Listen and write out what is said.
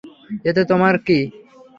এতে তোমার কি?